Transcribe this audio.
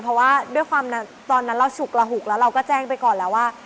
เพราะว่าด้วยความตอนนั้นเราฉุกระหุกแล้วเราก็แจ้งไปก่อนแล้วว่า